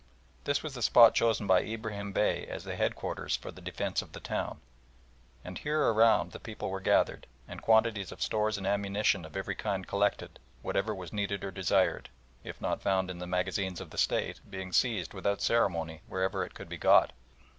This was the spot chosen by Ibrahim Bey as the headquarters for the defence of the town, and here and around the people were gathered, and quantities of stores and ammunition of every kind collected, whatever was needed or desired, if not found in the magazines of the State, being seized without ceremony wherever it could be got.